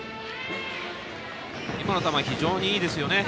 今の球非常にいいですよね。